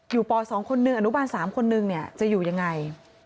อยู่ป๒คนนึงอนุบันส์๓คนนึงจะอยู่ยังไง